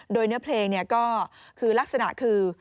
โดยเนื้อเพลงก็คือลักษณะคือ